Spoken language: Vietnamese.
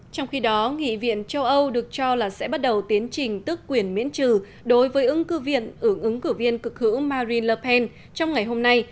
trong khi đó nghị viện châu âu được cho là sẽ bắt đầu tiến trình tước quyền miễn trừ đối với ứng cử viên cực hữu marine le pen trong ngày hôm nay